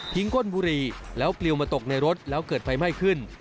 ก้นบุหรี่แล้วปลิวมาตกในรถแล้วเกิดไฟไหม้ขึ้น